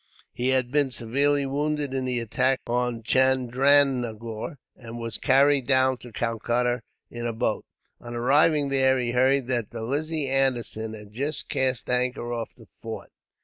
He had been severely wounded in the attack on Chandranagore, and was carried down to Calcutta in a boat. On arriving there, he heard that the Lizzie Anderson had just cast anchor off the fort.